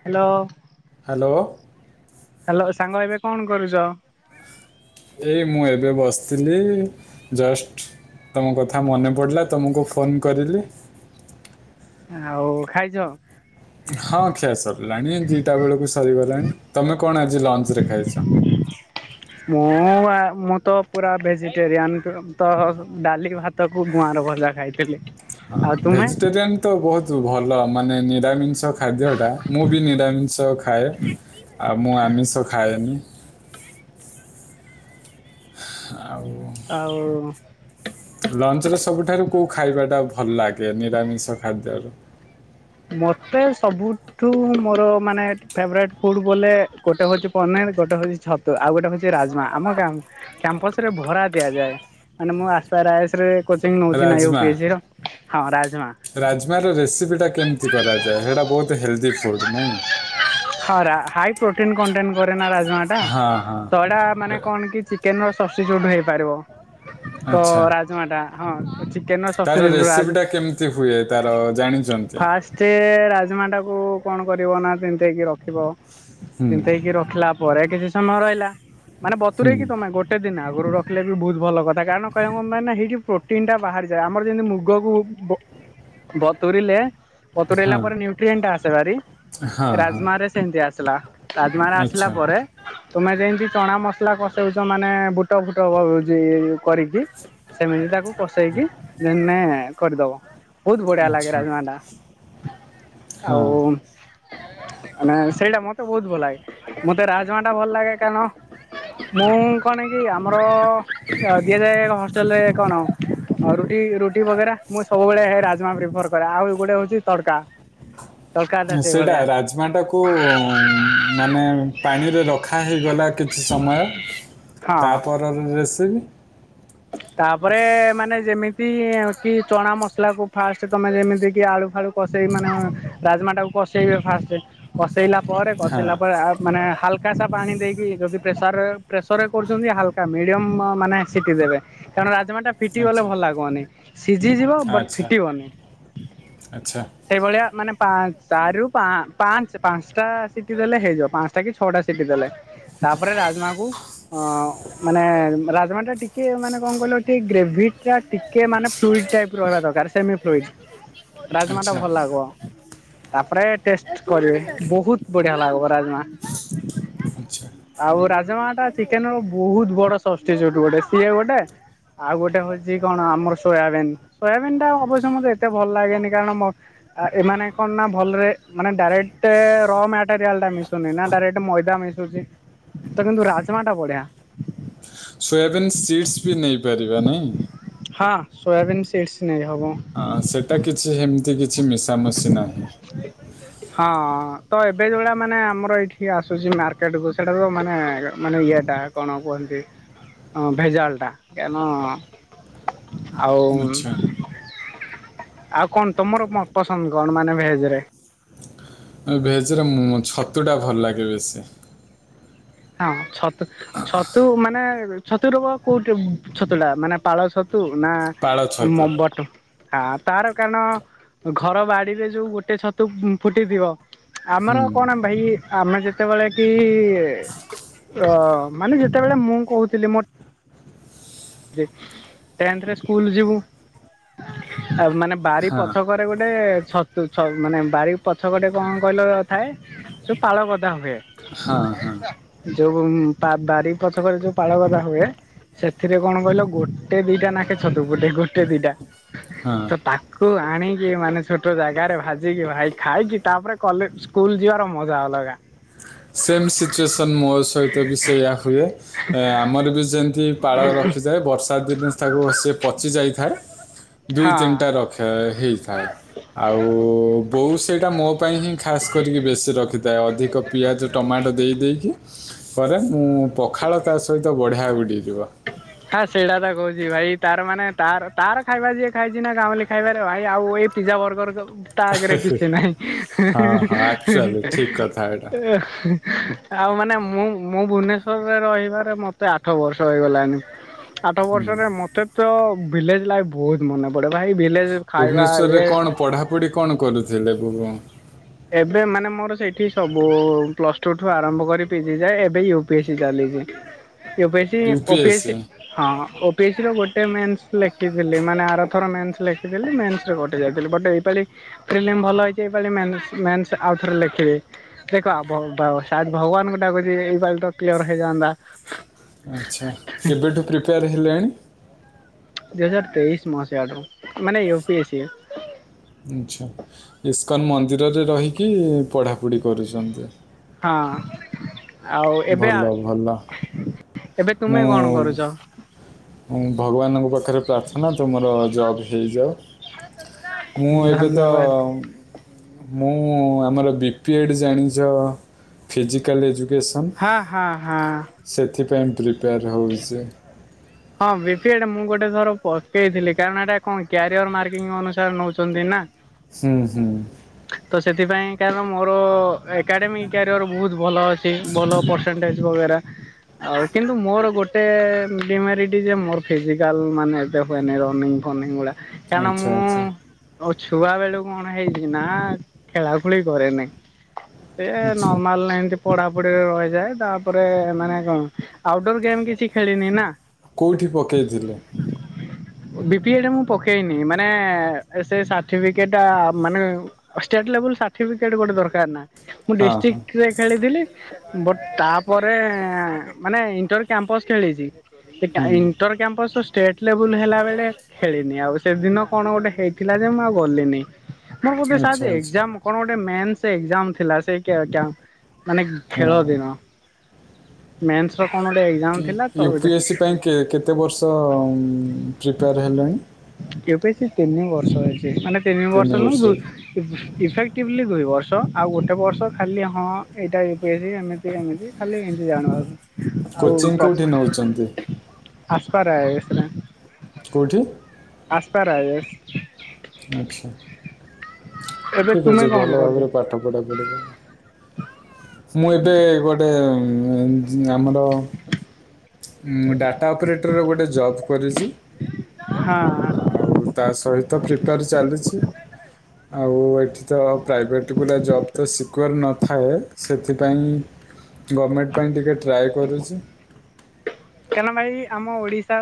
Hello. Hello. Hello ସାଙ୍ଗ ଏବେ କଣ କରୁଚ? ଏଇ ମୁଁ ଏବେ ବସିଥିଲି ଜଷ୍ଟ ତମ କଥା ମନେ ପଡିଲା ତମକୁ ଫୋନ୍ କରିଲି। ଆଉ ଖାଇଚ? ହଁ ଖିଆ ସରିଲାଣି ଦିଟା ବେଳକୁ ସରିଗଲାଣି ତମେ କଣ ଆଜ୍ ଲଞ୍ଚ୍ ରେ ଖାଇଚ? ମୁଁ ଆ ମୁଁ ତ ପୁରା ଭେଜିଟେରିଆନ୍ ତ ଡାଲି ଭାତକୁ ଗୁଆଁର ଭଜା ଖାଇଥିଲି। ହଁ ଆଉ ତୁମେ? ଭେଜିଟେରିଆନ୍ ତ ବହୁତ୍ ଭଲ୍ ଲ ମନେ ନିରାମିସ୍ ଖାଦ୍ୟ ଟା ମୁଁ ବି ନିରାମିଷ ଖାଏ ଆଉ ମୁଁ ଆମିଷ ଖାଏନି। ଆଉ। ଆଉ ଉ ଲଞ୍ଚ୍ ରେ ସବୁଠାରୁ କୋଉ ଖାଇବା ଟା ଭଲ ଲାଗେ ନିରାମିଷ ଖାଦ୍ୟ ରୁ? ମତେ ସବୁଠୁ ମୋର ମାନେ ଫେଭରେଟ୍ ଫୁଡ୍ ବୋଲେ ଗୋଟେ ହଉଛି ପନିର୍ ଗୋଟେ ହଉଛି ଛତୁ ଆଉ ଗୋଟେ ହଉଛି ରାଜମା ଆମ କ୍ୟାମ୍ପସ୍ ରେ ଭରା ଦିଆଯାଏ ମାନେ ମୁଁ [unintelligible] ରେ। କୋଚିଂ ନଉଛି ନା ରାଜମା ୟୁପିଏସସିର ହଁ ରାଜ୍ ରାଜମାର ରେସିପି ଟା କେମିତି? କ୍ଷତି କରାଯାଏ ସେଇଟା ବହୁତ ହେଲ୍ଦି ଫୁଡ଼୍ ନାଇଁ। ହଁ ହାଇ ପ୍ରୋଟନ୍ କଣ୍ଟେଣ୍ଟ କରରେ ନା ରାଜ। ନାଁ ଟା ହଁ ହଁ ତ ଏଟା ତ ମାନେ କଣ କି ଚିକେନ ର ସବସିଚ୍ୟୁଟ ହେଇପାରିବ। ତ ଆଚ୍ଛା ରାଜମାଟା। ହଁ। ଚିକେନ ର ତାର ସବଷ୍ଟିଚ୍ୟୁଟ ରାଜ ରେସିପି ଟା କେମିତି ହୁଏ ତାର ଜାଣିଛନ୍ତି। ସମାଟାକୁ କଣ କରିବ ନା ତିନ୍ତେଇ କି ରଖି ଥିବ। ହୁଁ ଚିନ୍ତେଇକି ରଖିଲା ପରେ କିଛି ସମୟ ରିହିଲା। ମାନେ ବତୁରଇକ ହୁଁ କି ତମେ ଗୋଟେ ଦିନ ଆଉ। ଘରୁ ରଖିଲେ ବି ବହୁତ ଭଲ କଥା କାରଣ କହିଲ କ ମ ନା ହେଇଠି ପ୍ରୋଟିନ୍ଟା ବାହାରିଯାଏ ଆମର ଯେମିତି ମୁଗକୁ ବ ବତୁରିଲେ ବତୁରେଇଲା ହଁ ପରେ ନିୁଟ୍ରିଏନ୍ ଟା ଆସେ ଭାରି ହଁ ହଁ ରାଜମା ରେ ଆସିଲା। ରାଜମାରା ଆସିଲା ଆଚ୍ଛା ପରେ ତୁମେ ଯେମିତି ଚଣା ମସଲା କଷାଉଛ ମାନେ ବୁଟ ଫୁଟ କରିକି ସେମିତି ତାକୁ ପସେଇକି ଯେନେ କରିଦବ ବହୁତ ବଢିଆ ଲାଗେ ଆଚ୍ଛା ରାଜମା ଟା ଆଉ ହଁ [inaudible] ମାନେ ସେଇଟା ମତେ ବହୁତ ଭଲ ଲାଗେ ମତେ ରାଜମା ଟା ଭଲ ଲାଗେ କାରଣ ମୁଁ କଣ କି ଆମର ଦିଆଯାଏ ହଷ୍ଟେଲରେ କଣ ରୁଟି ରୁଟି ବଗେରା ମୁଁ ସବୁବେଳେ ରାଜମା ପ୍ରିଫର କରେ ଆଉ ଗୁଟେ ହଉଛି ତଡକା ତଡକା ଟା ସେଇଟା ସେଇଭଳିଆ ରାଜମା ଟା କ ମାନେ ପାଣିରେ ରଖା ହେଇଗଲା କିଛି ସମୟ ହଁ ତାପରର ରେସିପି ତାପରେ ମାନେ ଯେମିତି କି ଚଣା ମସଲା କୁ ଫାଷ୍ଟ ତମେ ଯେମିତି କି ଆଳୁ ଫାଳୁ କଷେଇ ମାନେ ରାଜମା ଟାକୁ କସେଇବେ ଫାଷ୍ଟ କସେଇଲା ପରେ ହଁ କସେଇଲାପରେ ଆ ମାନେ ହାଲ କାସା ପାଣି ଦେଇକି ଯଦି ପ୍ରେସରେ ପ୍ରେସର୍ରରେ କରୁଛନ୍ତି ହାଲକା ମିଡ଼ିୟମ୍ ମାନେ ସିଟି ଦେବେ। କାରଣ ରାଜ ଜମା ଟା ଫିଟି ଗଲେ ଆଚ୍ଛା ଭଲ ଲାଗିବନି ସିଝିଯିବ ବଟ ଆଚ୍ଛା ଫିଟିବନି ଆଚ୍ଛା ସେଇଭଳିଆ ମାନେ ପାଞ୍ଚରୁ ଚାର୍ ରୁ ପାଞ୍ଚ ପାଞ୍ଚଟା ସିଟି ଦେଲେ ହେଇଯିବ ପାଞ୍ଚଟା କି ଛଅଟା ସିଟି ଦେଲେ। ତାପରେ ରାଜମା କୁ ଅ ମାନେ ରାଜମା ଟା ଟିକେ ମାନେ ଙ୍ଗଲ ଟି ଗ୍ରେଭି ଟା ଟିକେ ମାନେ ଫ୍ରୁଇଡି ଟାଇପ ରହିବା ଦରକାର ସେମି ଫୁଇସି। ରାଜମା ଟା ଆଚ୍ଛା ଭଲ ଲାଗବ। ତାପରେ ଟେଷ୍ଟ କରିବେ ବହୁତ ବଢିଆ ଲାଗବ ରାଜମା। ଆଚ୍ଛା ଆଉ ରାଜମାଟା ଚିକେନର ବହୁତ ବଡ ସବସ୍ଟିଚୁଟ ଗୋଟେ ସିଏ ଗୋଟେ ଆଉ ଗୋଟେ ହଉଛି କଣ ଆମର ସୋୟାବିନ୍ ସୋୟାବିନ୍ ଟା ଅବଶ୍ୟ ମତେ ଏତେ ଭଲ ଲାଗେନି କାରଣ ଏମାନେ କଣ ନା ଭଲରେ ମାନେ ଡାଇରେକ୍ଟ ର ମେଟରିଲା ମି। ନା ଡରେକ୍ଟ ମଇଦା ମି ତ କିନ୍ତୁ ରାଜମା ଟା ବଢ୍ୟ। [unintelligible] ସୋୟାବନ୍ ସିଡ୍ସସି ବି ନେଇପାରିବା ନାଇଁ। ହଁ ସୋୟାବିନ୍ ସିଡ୍ସ ହବ। ହଁ ସେଟା କିଛି ହେ [inaudible] ମିଶାମିଶି ନାହିଁ। ହଁ ତ ଏବେ ଯୋଉଭଳିକା ମାନେ ଆମର ଏଇଠି ଆସୁଛି ମାର୍କେଟ କୁ ସେଟା କୁ ମାନେ ମାନେ ଇଏଟା କଣ କୁହନ୍ତି ହଁ ଭେଜାଲ ଟା କା ନ ଆଉ ନୁ ଆଚ୍ଛା ଆଉ କଣ ତମର। ପସଙ୍ଗ କଣ ମାନେ ଭେଜରେ ବେଶି ହଁ ଅ। ଛତୁ ମାନେ ଏ ଛତୁର କୋଉଟି ଛତୁ ଲା ମାନେ ପାଳ ଛ ତୁ ନା ପାଳ ଛତୁ ମ ବ ଟୁ। ହା ଆ ତାର କାରଣ ଘର ବାଡିରେ ଯୋଉ ଗୋଟେ ଛତୁ ଉ ଫୁଟିଥିବ। ଆମର କଅଣ ଭାଇ ଆମେ ଯେତେବେଳେ କି ହେ ର ମାନେ ତେବେଳେ ମୁଁ କହୁଥିଲି ମୋ ଯେ ଟେଂଥ ରେ ସ୍କୁଲ ଯିବୁ। ଆ ମାନେ ବାରି ହଁ ପଛକରେ ଗୋଟେ ଛତୁ ଛ ମାନେ ବାରି ପଛ ପଟେ କଣ କହିଲ ଥାଏ ସେ ପାଳ ଗଦା ହୁଏ। ହଁ ହଁଅ। ଯୋଉ ପା ବାରି ପଛକରେ ଯୋଉ ପାଳଗ ହୁଏ ସେଠି ଥିରେ କଣ କହିଲ ଗୋଟେ ଦିଟା ନାଖେ ଛତୁ ଗୋଟେ ଗୋଟେ ଦିଟା। ହଁ ତ ତାକୁ ଆ ଆଣିକି ମାନେ ଛୋଟ ଜାଗାରେ ଭାଜିକି ଭାଇ ଖାଇକି ତାପରେ କଲେ ସ୍କୁଲ ଯିବାର ମଜା ଅଲଗା। ସେମ ସିଚୁଏସନ ମୋ ସହିତ ବି ସେଇଆ ହୁଏ ଆମର ବି ଯେମତି ପାଳ ରଖିଥାଏ ବର୍ଷା ଦିନେ ତାକୁ ସେ ପଚି ଯାଇଥାଏ ଦୁଇ ହଁ ତିନିଟା ରଖ ହେଇଥାଏ ଆଉ ବୋଉ ସେଇଟା ମୋ ପାଇଁ ହିଁ ଖାସ୍ କରିକି ବେଶୀ ରଖିଥାଏ ଅଧିକ ଟମାଟୋ ଦେଇ ଦେଇେଇକି କରେ ମୁଁ ପଖାଳ ତା ସହିତ ବଢିଆ ବଡ଼ି ହଁ ସେଇଟା ପା କହୁ ଭାଇ ତାର ମାନେ ତାର ତାର ଖାଇବା ଯିଏ ଖାଇଛି ନା ଗାଉଁଲି ଖାଇବାରେ ଭାଇ ଆଉ ଏଇ ପିଜ୍ଜା ବର୍ଗର ତା ଆଗରେ ହଁ କିଛି ନାହିଁ। ହଁ ଆକ୍ଚୁଆଲି ଠିକ୍ କଥା ଏଇଟା ଆଉ ମାନେ ମୁଁ ମୁଁ ଭୁବନେଶ୍ଵରରେ ରହିବାରେ ମତେ ଆଠ ବର୍ଷ ହେଇଗଲାଣିି ଆଠ ବର୍ଷରେ ମତେ ତ ଭିଲେଜ୍ ଲାଇଫ୍ ବହୁତ ମନେ ପଡେ। ଭାଇ ଭିଲଜ୍ ଭୁବନେଶ୍ଵରରେ କଣ ପଢାପଢି କଣ କରୁଥିଲେ? [unintelligible] ଏବେ ମାନେ ମୋର ସେଇଠି ସବୁ-ଉ-ଉ ପ୍ଲସଟୁ ଠୁ ଆରମ୍ଭ କରି ପି ଜିି ଯାଏ। ଏବେ ୟୁ ପି ଏସ୍ସି ଚାଲିଛି। U P S C, O P UPSC S C ହଁ-ଅ-ଅ ପେସ୍ ର ଗୋଟେ ମେନ୍ସ ଲେଖିଥିଲି ମାନେ ଆରଥର ମେନ୍ସ ଲେଖିଥିଲି ମେନ୍ସରେ କଟି ଯାଇଥିଲି ବଟ୍ ଏଇପାଳି ଫିଲ୍ମ ଭଲ ହୋଇଇଛି ଏଇପାଳି ମାଇନ ମେନ୍ସ ଆଉ ଥରେ ଲେଖିବି ଦେଖ ଭ-ଭ ସାୟତ୍ ଭଗବାନଙ୍କୁ ଡାକୁଛି ଏଇ ପାଳିଟା କ୍ଲିୟର ହେଇଯାଆନ୍ତା। ଆଚ୍ଛା କେବେଠୁ ପ୍ରିପେୟାର ହେଲେଣି? ଦୁଇ ହଜାର ତେଇଶ ମସିହାରୁ ମାନେ ୟୁ ପି ଏ ସି। ଆଚ୍ଛା ଇସ୍କନ ମ ଦୀରରେ ରହିକି-ଇ-ଇ ପଢ଼ା ପୁଡ଼ି କରୁଛନ୍ତି। ହଁ। ଆଉ ଏବେ, ଭଲ ଭଲ ଏବେ ତୁମେ ମୁଁ କଣ କରୁଛ? ଭଗବାନଙ୍କ ପାଖରେ ପ୍ରାର୍ଥନା ତୁମର ଜବ୍ ହେଇଯାଉ। ମୁଁ ଏବେ ଧନ୍ୟବାଦ ତ-ଅ-ଅ ମୁଁ ଆମର ବି ପି ଏଡ୍ ଜାଣିଛ ଫିଜିକାଲ ଏଜୁ ହଁ ହଁ ହଁ। ପେମ୍ ପ୍ରିପେୟାର ହେଉଛି। ହଁ ବି ପି ଏଟ ମୁଁ ଗୋଟେ ଥର ପକେଇଥିଲି କାରଣ ଏଇଟା କଣ କ୍ୟାରିଅର ମାର୍କିଂ ଅନୁସାରେ ନଉଛନ୍ତି ନା। ହୁଁ ହୁଁ। ତ ସେଥିପାଇଁ କାରଣ ମୋର-ଓ-ଓ-ଓ ଏକାଡ଼େମିକ କ୍ୟାରିଅର ବହୁତ ଭଲ ଅଛି। ଭଲ ପରସେଣ୍ଟେଜ ବଗେରା ଆଉ କିନ୍ତୁ ମୋର ଗୋଟେ ଡିମାରିଟ ଯେ ମୋର ଫିଜିକାଲ୍ ମାନେ ଏବେ ହୁଏନି ରନିଙ୍ଗ ଫନିଙ୍ଗ ଗୁଡା। କାରଣ ଆଚ୍ଛା ମୁଁ ଆଚ୍ଛା ଅ ଛୁଆ ବେଳୁ କଣ ହେଇଛି ନାଆ ଖେଳା ଖେଳି କରେନାହିଁ। ସେ ଏ ଆଚ୍ଛା ନର୍ମାଲ ନାଇଁ ଏମି ପଢାପଢିରେ ରହିଯାଏ ତାପରେ ମାନେ କଣ ଆଉଟଡୋର ଗେମ୍ କିଛି ଖେଳିନି ନା। କୋଉଠି ପକେଇଥିଲେ? ବିପିଏଡ ମୁଁ ପକେଇନି ମାନେ ଏ ସେ ସାଠିପିକେଟ୍ ଟା ମାନେ ଷ୍ଟେଟଲେବଲ ସାଠିପିକେଟ୍ ଗୋଟେ ଦରକାର ନା। ମୁଁ ହଁ ହଁ ଡିଷ୍ଟିକ୍ ଳେ ଖେଳିଥିଲି। ବଟ୍ ତା ପରେ ମାନେ ଇଣ୍ଟର କ୍ୟାମ୍ପସ ଖେଳିଚି। ଏଟା ହୁଁ ଇଣ୍ଟର କ୍ୟାମ୍ପସର ସ୍ ଷ୍ଟେଟ ଲେବୁଲ ହେଲା ବେଳେ ଖେଳିନି ଆଉ ସେଦିନ କଣ ଗୋଟେ ହେଇଥିଲା ଯେ ମୁଁ ଆଉ ଗଲିନି। ମୋର ବୋଧେ ସାର୍ ଆଚ୍ଛା ଯୋଉ ଆଚ୍ଛା ଏକଜାମ୍ କଣ ଗୋଟେ ମେନ୍ ସେ ଏକଜାମ୍ ଥିଲା ସେଇ କ୍ୟା କ୍ୟା ମାନେଗ୍ ହଁ ଖେଳଦିନ। ମେନସ୍ ର କଣ ଗୋଟେ? ଏକ୍ଜାମ୍ କି ଥିଲା ତ ୟୁପି ବୋଧେ ଏସ୍ ସି ପାଇଁ କେ କେତେ ବର୍ଷ ପ୍ରିପେୟାର ହେଲଣି? ସେ ତିନି ବର୍ଷ ହେଇ ମାନେ ତିନି ବର୍ଷ [unintelligible] ଇଫେକ୍ଟିଭଲି ଦୁଇ ବର୍ଷ ଆଉ ଗୋଟେ ବର୍ଷ ଖାଲି ହଁ ଏଇଟା ୟୁପିଏସସି ଏମିତି ଏମିତି ଖାଲି ଏମିତି ଜଣାରୁ। କୋଚିଂ କୋଉଠି ନଉଚନ୍ତି? ଆସପାର୍ ଆଇଏସରେ। କୋଉଠି? ଆସପାର୍ ଆଇଏସ୍। ଆଚ୍ଛା। ଏବେ ଠିକ୍ ତୁମେ ଅଛି। କଣ ଭଲ କରୁଛ ଭାବରେ ପାଠ ପଢାପଢିକ ମୁଁ ଏବେ ଗୋଟେ ମୁଁ [unintelligible] ଆମର ମୁଁ ଡାଟା ଅପରେଟରର ଗୋଟ୍ ଗୋଟେ ଜବ୍ କରିଚି। ହଁ ଆଉ ତା ସହିତ ପ୍ରିପେଆର୍ ଚାଲିଛି। ଆଉ ଏଠି ତ ପ୍ରାଇଭେଟ୍ ଗୁଡା ଜବ୍ ତ ସିକ୍ୟୁର ନଥାଏ ସେଥିପାଇଁ ଗମେଟ୍ ପାଇଁ ଟିକେ ଟ୍ରାଏ କରୁଛି। କାରଣ ଭାଇ ଆମ ଓଡିଶା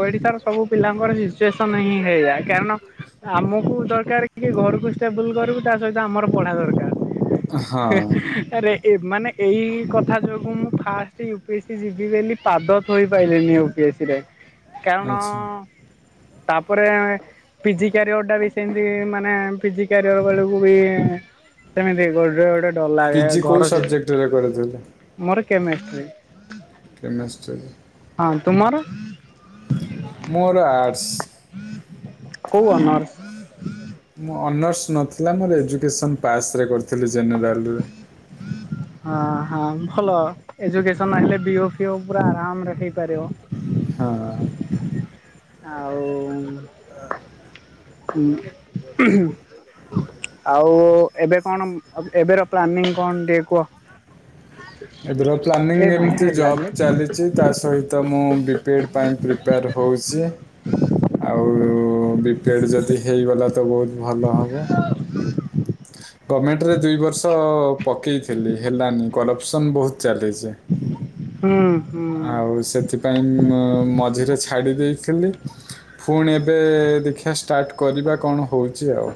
ଓଡିଶାର ସବୁ ପିଲାଙ୍କର ସିଚୁଏସନ ହିଁ ହେଇଆ କାରଣ ଆମକୁ ଦରକାର କି ଘରକୁ ଷ୍ଟେବୁଲ କରିବୁ ତା ସହିତ ଆମର ପଢା ଦରକାର। ହିଁ ହଁ ଆରେ ଏ ମାନେ ଏଇ କଥା ଯୋଗୁଁ ମୁଁ first U P S C ଯିବି ବୋଲି ପାଦଥୋଇ ପାଇଲିନି ୟୁ ପି ଏସ୍ ସି ରେ। କାରଣ ଆଚ୍ଛା ତାପରେଁ ପି ଜି କ୍ୟାରିୟର ଟା ବି ସେମିତି ମାନେ ପି ଜି କ୍ୟାରିୟର ବେଳକୁ ବି ସେମିତି ଗୋଟେ ଗୋଟେ ଡର ପି ଲାଗେ ଜି କୋଉ ସବ୍ ଜେକ୍ଟରେ କରିଥିଲେ? କେମେଷ୍ଟ୍ରୀ। କେମେଷ୍ଟ୍ରୀ। ହଁ ତୁମର? ମୋର ଆର୍ଟ୍ସ। କୋଉ ଅନର୍ସ? ମୁଁ ଅନର୍ସ ନଥିଲା ମୋର ଏଜୁକେସନ ପାସ୍ ରେ କରିଥିଲି ଜେନେରାଲ ରେ। ହଁ ହଁ ଭଲ ଏଜୁକେସନ୍ ହେଲେ ବି ଓ ଫି ଓ ପୁରା ଆରାମରେ ହେଇପାରିବ। ହଁ। ଆଉ ହଁ ଆଉ ଏବେ କଣ ଏବେ ର ପ୍ଲାନିଂ କଣ ଟିକେ କୁହ? ଏବେର ପ୍ଲାନିଂ ଏ ମାଇ ଏମିତି ହେଲାନି। ଜବ ଚାଲିଛି ତା ସହିତ ମୁଁ ବି ପି ଏଡ ପାଇଁ ପ୍ରିପେୟାର ହଉଛି। ଆଉ ବି ପି ଏଡ ଯଦି ହେଇଗଲା ତ ବହୁତ ଭଲ ହବ। ଗମେଣ୍ଟରେ ଦୁଇ ବର୍ଷ ପକେଇଥିଲି ହେଲାନି କରପ୍ସନ୍ ବହୁତ ଚାଲିଛି ହୁଁ ହୁଁ। ଆଉ ସେଥିପାଇଁ ଆଉ ମଝିରେ ଛାଡ଼ିଦେଇଥିଲି ପୁଣି ଏବେ ଦେଖିବା ଷ୍ଟାର୍ଟ କରିବା କଣ ହଉଛି ଆଉ।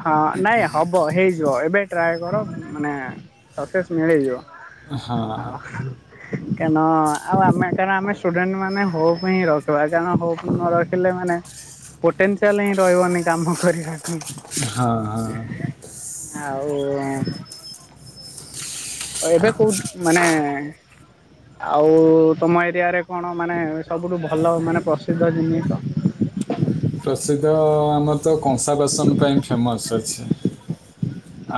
ହଁ ନାଇଁ ହବ ହେଇ ତ ଏବେ ଟ୍ରାଏ କର ମାନେ ସକ୍ସେସ୍ ମିଳିଯିବ। ହଁ। ଆଉ କାରଣ ଆଉ ଆମେ କାରଣ ଆମେ ଷ୍ଟୁଡେଣ୍ଟ ମାନେ ହୋପ ହିଁ ରଖିବା କାରଣ ହୋପ୍ ନ ରଖିଲେ ମାନେ ପୋଟେନସିଆଲ ହିଁ ରହିବନି କାମ କରିବା ପାଇଁ। ହଁ ହଁ। ଆଉ ଏବେ କୋଉଠି ମାନେ ଆଉ ତମ ଏରିଆରେ କଣ ମାନେ ସବୁଠୁ ଭଲ ମାନେ ପ୍ରସିଦ୍ଧ ଜିନିଷ? ପ୍ରସିଦ୍ଧ ଆମର ତ କଂସା ବାସନ ପାଇଁ ଫେମସ୍ ଅଛି।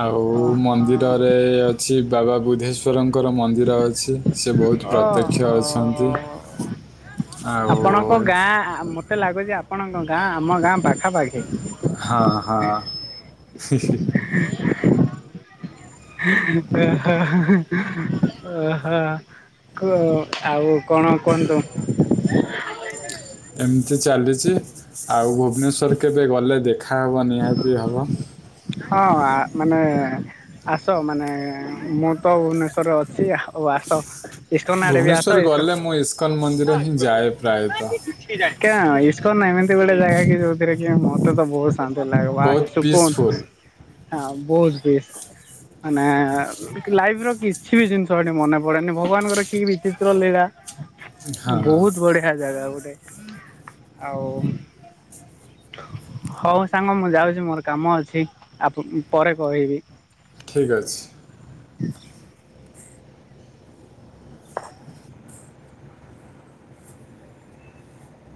ଆଉ ମନ୍ଦିରରେ ଅଛି ବାବା ବୁଦ୍ଧେଶ୍ୱରମ୍ ଙ୍କର ମନ୍ଦିର ଅଛି ସେ ବହୁତ୍ ଓହୋ ପ୍ରତ୍ୟକ୍ଷ ଅଛନ୍ତି ଓହୋ। ଆଉ ମୁଁ କହିଲି ଆପଣଙ୍କ ଗାଁ ଆମ ଗାଁ ପାଖାପାଖି। ହଁ ହଁ। [unintelligible] [inaudible] ଓହୋ ଓହୋ କୁହ ଆଉ କଣ କୁହନ୍ତୁ? ଏମିତି ଚାଲିଛି ଆଉ ଭୁବନେଶ୍ୱର କେବେ ଗଲେ ଦେଖାହବ ନିହାତି ହବ। ହଁ ଆ ମାନେ ଆସ ମାନେ ମୁଁ ତ ଭୁବନେଶ୍ୱରରେ ଅଛି ଆଉ ଆସ। ଇସ୍କନ ଆଡେ ବି ଆସ ଭୁବନେଶ୍ୱର ଇସ୍କ ଗଲେ ମୁଁ ଇସ୍କନ ମନ୍ଦିର ହିଁ ଯାଏ ପ୍ରାୟତଃ। ଇସ୍କନ୍ ନାହିଁ ଏମିତି ଗୋଟେ ଜାଗା କି ଯୋଉଥିରେ କି ମୋତେ ତ ବହୁତ କାନ୍ଦ ଲାଗ ବହୁତ [unintelligible] ସୁକୁନ ପିସଫୁଲ୍ ହଁ ବହୁତ ବେଶ ମାନେ ଲାଇଫ ର କିଛି ବି ଜିନିଷ ଏଠି ମନେ ପଡେନି ଭଗବାନଙ୍କର କି ବିଚିତ୍ର ଲୀଳା। ହଁ ବହୁତ ବଢିଆ ଜାଗା ଗୋଟେ ଆଉ ହଉ ସାଙ୍ଗ ମୁଁ ଯାଉଛି ମୋର କାମ ଅଛି ଆ ପରେ କହିବି ଠିକ ଅଛି। [inaudible]